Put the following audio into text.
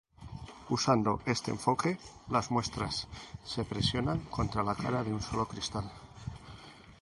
Usando este enfoque, las muestras se presionan contra la cara de un solo cristal.